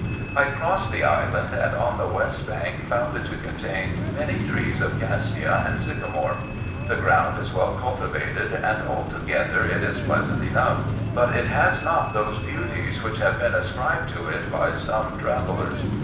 I crossed the island, and on the west bank found it to contain many trees of cassia and sycamore. The ground is well cultivated, and altogether it is pleasant enough ; but it has not those beauties, which have been ascribed to it by some travellers.